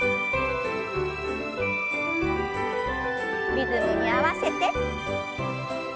リズムに合わせて。